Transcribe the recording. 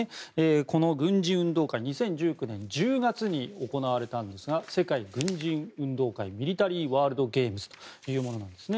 この軍人運動会２０１９年１０月に行われたんですが世界軍人運動会ミリタリー・ワールド・ゲームズというものなんですね。